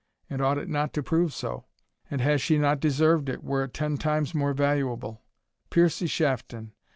And ought it not to prove so? and has she not deserved it, were it ten times more valuable? Piercie Shafton!